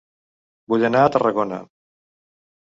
Vull anar a Tarragona